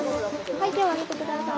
はい手を上げて下さい。